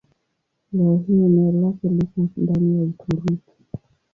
Leo hii eneo lake liko ndani ya Uturuki.